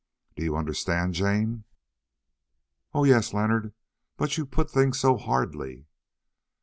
Do you understand, Jane?" "Oh! yes, Leonard, but you put things so hardly."